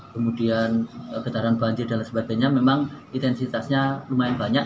kemudian getaran banjir dan sebagainya memang intensitasnya lumayan banyak